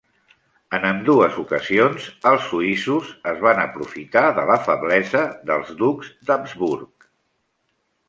En ambdues ocasions, els suïssos es van aprofitar de la feblesa dels ducs d'Habsburg.